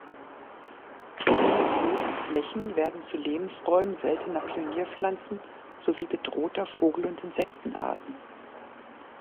Die renaturierten Flächen werden zu Lebensräumen seltener Pionierpflanzen sowie bedrohter Vogel- und Insektenarten.